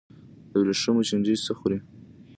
د ورېښمو چینجی څه خوري؟